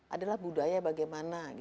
adalah budaya bagaimana